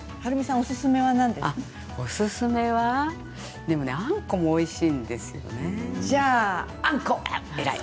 おすすめあんこもおいしいんですよね。